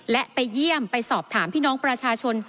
และไปเยี่ยมไปสอบถามพี่น้องประชาชน